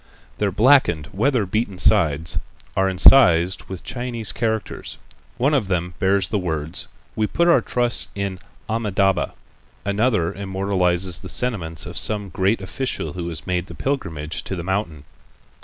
Their blackened, weather beaten sides are incised with Chinese characters. One of them bears the words: "We put our trust in Amitâbha." Another immortalizes the sentiments of some great official who has made the pilgrimage to the mountain.